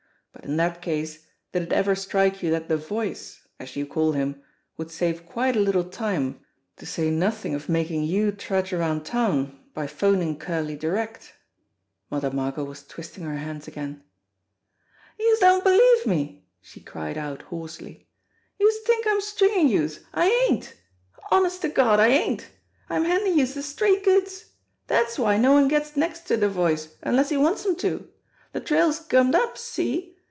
"But in that case, did it ever strike you that the Voice, as you call him, would save quite a little time, to say nothing of making you trudge around town, by phoning Curley direct?" Mother Margot was twisting her hands again. 232 JIMMIE DALE AND THE PHANTOM CLUE "Youse don't believe me !" she cried out hoarsely. "Youse t'ink I'm stringin' youse. I ain't ! Honest to Gawd, I ain't ! I'm handin' youse de straight goods. Dat's why no one gets next to de Voice unless he wants 'em to. De trail's gummed up. See?